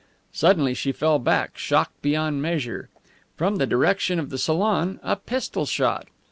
Suddenly she fell back, shocked beyond measure. From the direction of the salon a pistol shot!